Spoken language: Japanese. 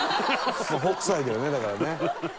もう北斎だよねだからね。